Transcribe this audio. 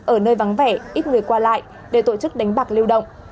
ở nơi vắng vẻ ít người qua lại để tổ chức đánh bạc liêu động